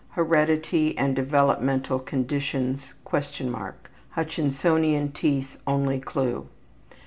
Heredity and developmental conditions (?) Hutchinsonian teeth only clew.